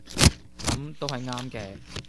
噉都係啱嘅